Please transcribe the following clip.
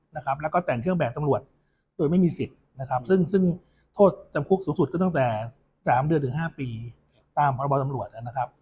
และแต่งเครื่องแบบตำรวจไม่มีสิทธิ์ซึ่งโทษจำคุกสูงสุดตั้งแต่๓เดือนถึง๕ปีตามประบอบตำรวจ